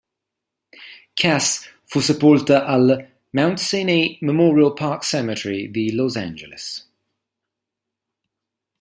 Cass fu sepolta al Mount Sinai Memorial Park Cemetery di Los Angeles.